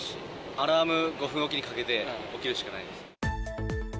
アラーム、５分おきにかけて起きるしかないです。